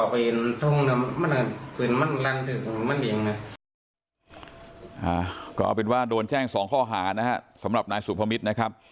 ก็เอาเป็นว่าโดนแจ้ง๒ข้อหานะฮะสำหรับนายสุภมิตรนะครับ